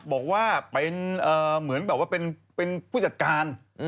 บอกว่าเป็นเหมือนแบบว่าเป็นผู้จัดการ